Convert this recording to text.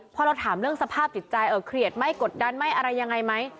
พอเราถามเรื่องสภาพจิตใจเครียดไหมกดดันไหมอะไรยังไงไหม